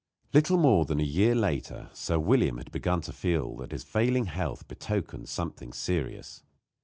Little more than a year later Sir William had begun to feel that his failing health betokened something serious.